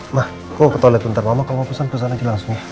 emang aku mau ke toilet bentar mama kalo mau pusingan terus aja langsung ya